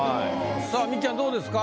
さあみっちゃんどうですか？